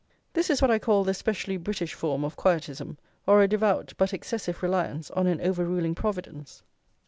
This is what I call the specially British form of Quietism, or a devout, but excessive, reliance on an over ruling Providence.